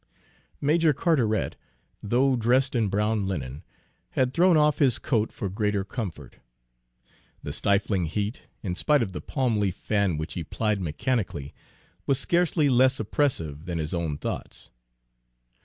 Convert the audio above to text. Major Carteret, though dressed in brown linen, had thrown off his coat for greater comfort. The stifling heat, in spite of the palm leaf fan which he plied mechanically, was scarcely less oppressive than his own thoughts.